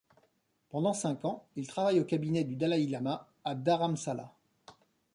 Pendant cinq ans, il travaille au cabinet du dalaï-lama à Dharamsala.